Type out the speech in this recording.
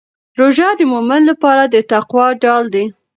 روژه د مؤمن لپاره د تقوا ډال دی.